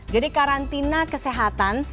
jadi karantina kesehatan